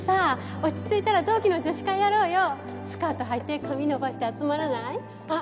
落ち着いたら同期のスカートはいて髪伸ばして集まらないあっ